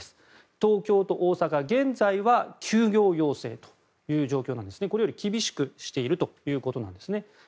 東京と大阪現在は休業要請ということですがこれより厳しくしているということなんですね。